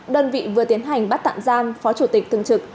đơn vị vừa tiến hành bắt tạm giam phó chủ tịch thường trực